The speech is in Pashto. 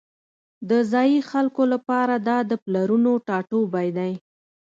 د ځایی خلکو لپاره دا د پلرونو ټاټوبی دی